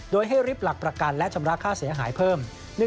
โดยให้ริบหลักประกันและชำระค่าเสียหายเพิ่ม